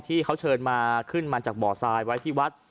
ที่เขาเชิญมาขึ้นมาจากบ่อทรายไว้ที่วัด